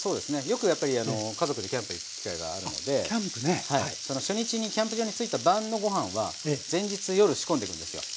よくやっぱり家族でキャンプへ行く機会があるのでその初日にキャンプ場に着いた晩のご飯は前日夜仕込んでいくんですよ。